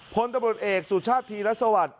พลตำรวจเอกสุชาติธีรัฐสวรรค์